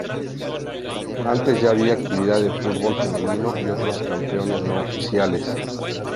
Antes ya había actividad de fútbol femenino y otros campeonatos no oficiales.